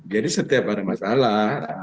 jadi setiap ada masalah